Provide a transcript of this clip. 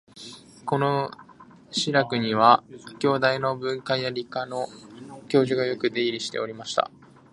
この「信楽」には、京大の文科や理科の教授がよく出入りしておりました